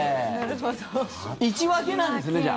１分けなんですねじゃあ。